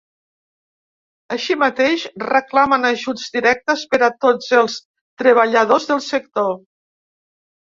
Així mateix, reclamen ajuts directes per a tots els treballadors del sector.